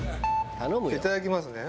いただきますね。